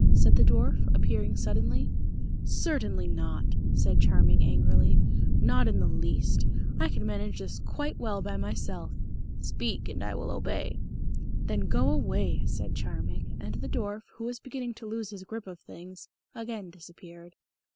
said the dwarf, appearing suddenly. "Certainly not," said Charming angrily. "Not in the least. I can manage this quite well by myself." "Speak, and I will obey." "Then go away," said Charming; and the dwarf, who was beginning to lose his grip of things, again disappeared.